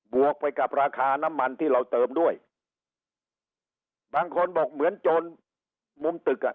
วกไปกับราคาน้ำมันที่เราเติมด้วยบางคนบอกเหมือนโจรมุมตึกอ่ะ